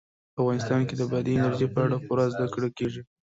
افغانستان کې د بادي انرژي په اړه پوره زده کړه کېږي.